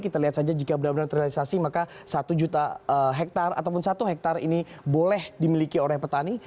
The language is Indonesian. kita lihat saja jika benar benar terrealisasi maka satu juta hektare ataupun satu hektare ini boleh dimiliki oleh petani